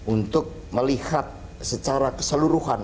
untuk melihat secara keseluruhan